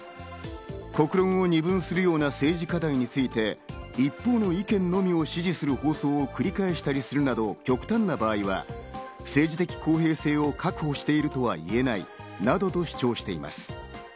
国論を二分するような政治課題について、一方の意見のみを支持する放送を繰り返したりするなど極端な場合は、政治的公平性を確保しているとは言えないなどと主張しています。